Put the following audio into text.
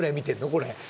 これ。